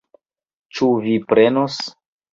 Ĉu vi prenos?